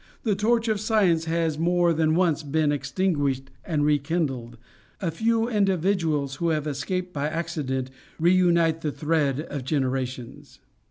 The torch of science has more than once been extinguished and rekindled a few individuals, who have escaped by accident, reunite the thread of generations."